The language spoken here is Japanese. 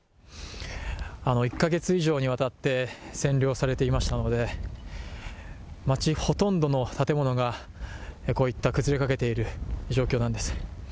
１カ月以上にわたって占領されていましたので街、ほとんどの建物がこういった崩れかけている状況なんです。